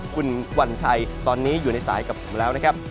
คุณวัญชัยตอนนี้อยู่ในสายกับผมแล้วนะครับ